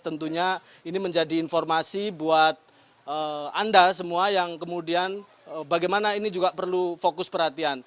tentunya ini menjadi informasi buat anda semua yang kemudian bagaimana ini juga perlu fokus perhatian